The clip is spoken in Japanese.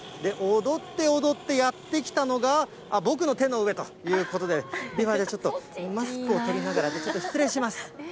踊って踊って、やって来たのが、僕の手の上ということで、ではちょっと、マスクを取りながら、ちょっと失礼します。